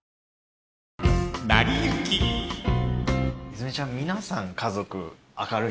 泉ちゃん。